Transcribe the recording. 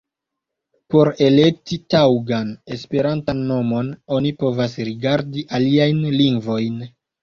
Por elekti taŭgan esperantan nomon, oni povas rigardi aliajn lingvojn.